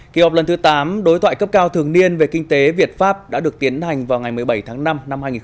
kỳ họp lần thứ tám đối thoại cấp cao thường niên về kinh tế việt pháp đã được tiến hành vào ngày một mươi bảy tháng năm năm hai nghìn hai mươi